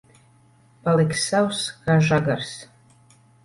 Paliksi sauss kā žagars.